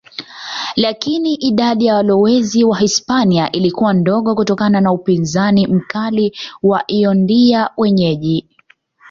Lakini idadi ya walowezi Wahispania ilikuwa ndogo kutokana na upinzani mkali wa Waindio wenyeji.